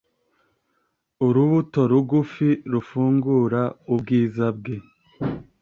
Urubuto rugufi rufungura ubwiza bwe